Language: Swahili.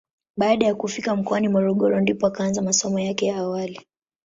Baada ya kufika mkoani Morogoro ndipo akaanza masomo yake ya awali.